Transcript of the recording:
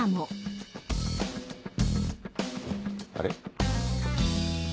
あれ？